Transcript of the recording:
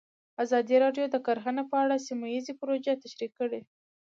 ازادي راډیو د کرهنه په اړه سیمه ییزې پروژې تشریح کړې.